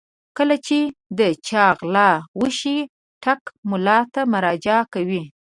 کله چې د چا غلا وشي ټګ ملا ته مراجعه کوي.